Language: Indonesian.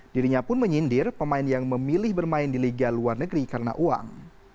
dirinya pun menyindir pemain yang memilih bermain di liga luar negeri karena uang